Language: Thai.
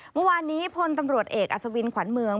เมื่อวานนี้พลตำรวจเอกอัศวินขวัญเมือง